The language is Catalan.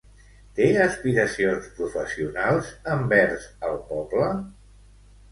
Té aspiracions professionals envers el poble?